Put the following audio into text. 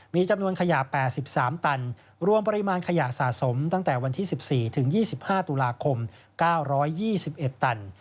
มีจำนวนขยะ๘๓ตันรวมปริมาณขยะสะสมตั้งแต่วันที่๑๔ถึง๒๕ตุลาคม๙๒๑ตัน